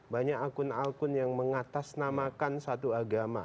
banyak akun akun yang mengatasnamakan satu agama